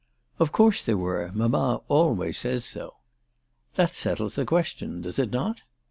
Of course there were. Mamma always says so." " That settles the question ; does it not